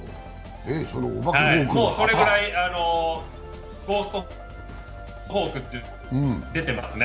それくらいゴーストフォークって出てますね。